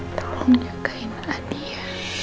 tolong jagain adi ya